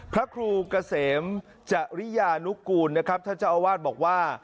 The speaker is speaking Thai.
พระครูเกษมจริยานุกูลนะครับท่านเจ้าอาวาสบอกว่า